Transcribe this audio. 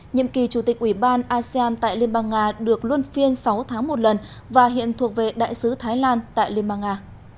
nhiệm kỳ chủ tịch ủy ban asean tại liên bang nga được luân phiên sáu tháng một lần và hiện thuộc về đại sứ thái lan tại liên bang nga